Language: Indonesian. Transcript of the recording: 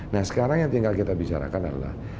nah sekarang yang tinggal kita bicarakan adalah